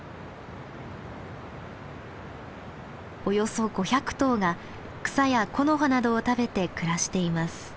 およそ５００頭が草や木の葉などを食べて暮らしています。